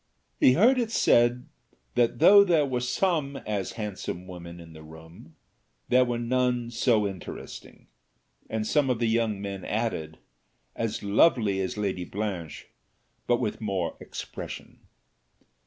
He heard it said that, though there were some as handsome women in the room, there were none so interesting; and some of the young men added, "As lovely as Lady Blanche, but with more expression."